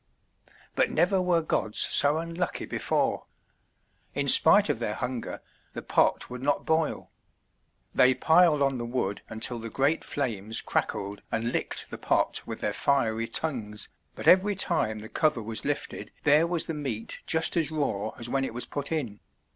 But never were gods so unlucky before! In spite of their hunger, the pot would not boil. They piled on the wood until the great flames crackled and licked the pot with their fiery tongues, but every time the cover was lifted there was the meat just as raw as when it was put in.